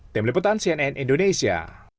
tim liputan cnn indonesia